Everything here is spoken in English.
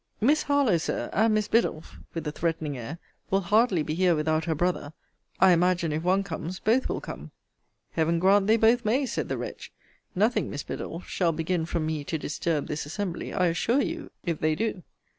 Miss Harlowe, Sir, and Miss Biddulph, with a threatening air, will hardly be here without her brother. I imagine, if one comes, both will come. Heaven grant they both may! said the wretch. Nothing, Miss Biddulph, shall begin from me to disturb this assembly, I assure you, if they do.